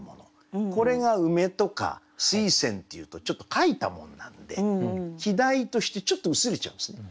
これが梅とか水仙っていうとちょっと描いたもんなんで季題としてちょっと薄れちゃうんですね。